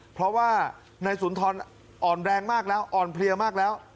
เพราะว่านายสุนทรอ่อนแรงมากแล้วอ่อนเพลียมากแล้ว